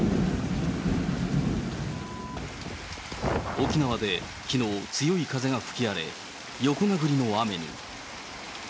沖縄できのう、強い風が吹き荒れ、横殴りの雨に。